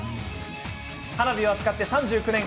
花火を扱って３９年。